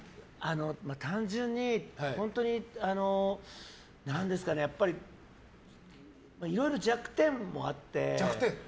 単純にいろいろ弱点もあって。